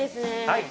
はい。